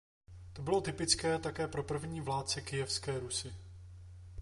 To bylo typické také pro první vládce Kyjevské Rusi.